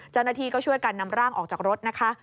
เจ้าหน้าที่ก็ช่วยกันนำร่างออกจากรถนะคะ